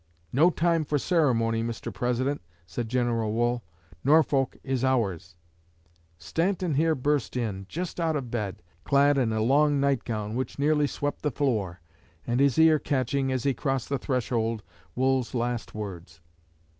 'No time for ceremony, Mr. President,' said General Wool; 'Norfolk is ours!' Stanton here burst in, just out of bed, clad in a long night gown which nearly swept the floor, his ear catching, as he crossed the threshold, Wool's last words.